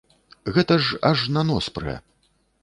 Гэта ж аж на нос прэ!